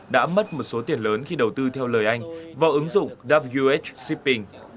đã mất một số tiền lớn khi đầu tư theo lời anh vào ứng dụng wh shipping